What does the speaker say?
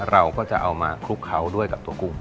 เราก็จะเอามาคลุกเคล้าด้วยกับตัวกุ้ง